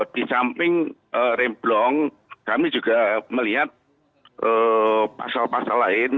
di samping rem blong kami juga melihat pasal pasal lain